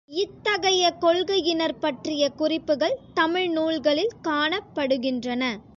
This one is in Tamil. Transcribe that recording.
இத்தகைய கொள்கையினர் பற்றிய குறிப்புகள் தமிழ் நூல்களில் காணப்படுகின்றன.